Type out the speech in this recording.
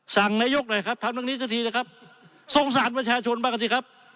สั่งนายกหน่อยครับทำเรื่องนี้สักทีนะครับสงสารประชาชนบ้างกันสิครับ